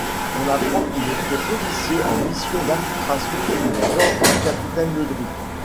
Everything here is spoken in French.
On apprend qu'il était policier, en mission d'infiltration sous les ordres du capitaine Ledru.